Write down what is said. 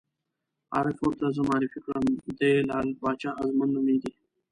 عارف ور ته زه معرفي کړم: دی لعل باچا ازمون نومېږي.